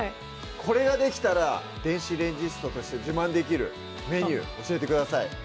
これができたら電子レンジストとして自慢できるメニュー教えてください